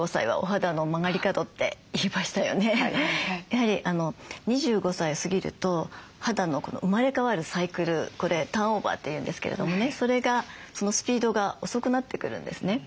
やはり２５歳を過ぎると肌の生まれ変わるサイクルこれターンオーバーって言うんですけれどもねそれがそのスピードが遅くなってくるんですね。